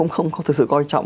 không thực sự quan trọng